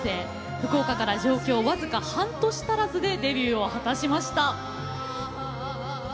福岡から上京僅か半年足らずでデビューを果たしました。